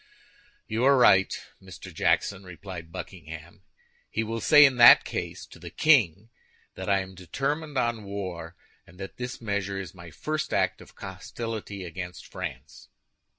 "You are right, Mr. Jackson," replied Buckingham. "He will say, in that case, to the king that I am determined on war, and that this measure is my first act of hostility against France."